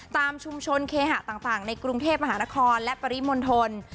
ตามชุมชนเคหะต่างในกรุงเทพมหานครและปริมณฑล